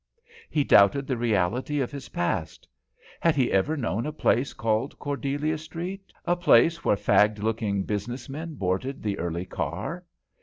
He doubted the reality of his past. Had he ever known a place called Cordelia Street, a place where fagged looking business men boarded the early car?